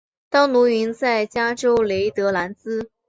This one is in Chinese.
当奴云在加州雷德兰兹。